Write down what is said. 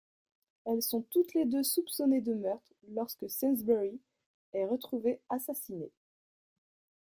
Elles sont toutes les deux soupçonnées de meurtre lorsque Sainsbury est retrouvé assassiné.